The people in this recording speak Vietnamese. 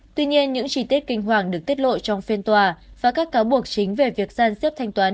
tuy nhiên những chi tiết kinh hoàng được tiết lộ trong phiên tòa và các cáo buộc chính về việc gian xếp thanh toán